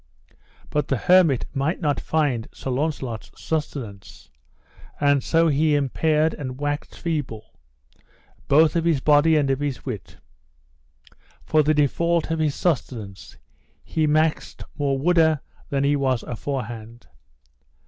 But the hermit might not find Sir Launcelot's sustenance, and so he impaired and waxed feeble, both of his body and of his wit: for the default of his sustenance he waxed more wooder than he was aforehand.